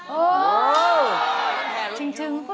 โอ้โห